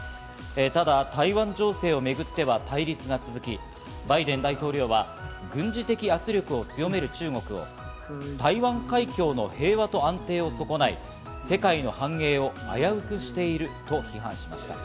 ただ台湾情勢をめぐっては対立が続き、バイデン大統領は軍事的圧力を強める中国を台湾海峡の平和と安定を損ない、世界の繁栄を危うくしていると批判しました。